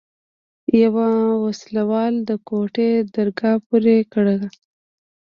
يوه وسله وال د کوټې درګاه پورې کړه.